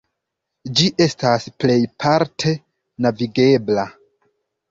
Ĝi estas plejparte navigebla.